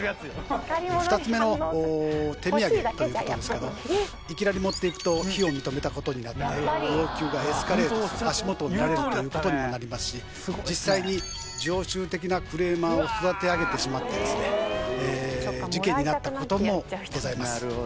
２つ目の手土産ということですけどいきなり持っていくと非を認めたことになって要求がエスカレートする足元を見られるということにもなりますし実際に常習的なクレーマーを育て上げてしまって事件になったこともございます